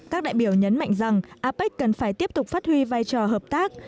các đại biểu nhấn mạnh rằng apec cần phải tiếp tục phát huy vai trò hợp tác